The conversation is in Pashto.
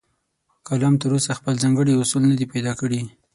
کالم تراوسه خپل ځانګړي اصول نه دي پیدا کړي.